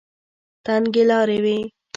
تنګې لارې وې.